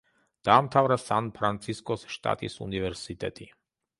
დაამთავრა სან-ფრანცისკოს შტატის უნივერსიტეტი.